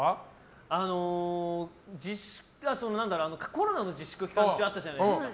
コロナの自粛期間中あったじゃないですか。